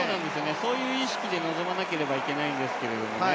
そういう意識で臨まなければいけないんですけどね。